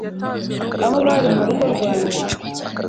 aho bari mu rugo rwanjye